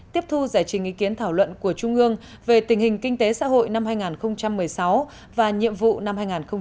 tiếp thu giải trình ý kiến thảo luận của trung ương về tình hình kinh tế xã hội năm hai nghìn một mươi sáu và nhiệm vụ năm hai nghìn một mươi chín